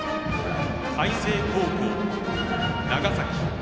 海星高校・長崎。